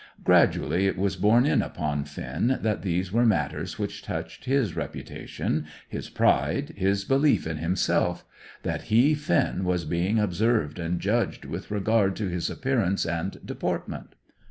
Gradually it was borne in upon Finn that these were matters which touched his reputation, his pride, his belief in himself; that he, Finn, was being observed and judged with regard to his appearance and deportment.